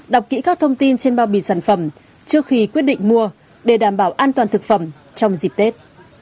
đọc kỹ các thông tin trên bao bì sản phẩm trước khi quyết định mua để đảm bảo an toàn thực phẩm trong dịp tết